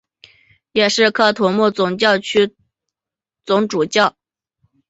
也是喀土穆总教区总主教。